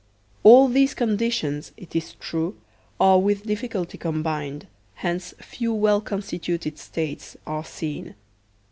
All these conditions, it is true, are with difficulty combined; hence few well constituted States are seen.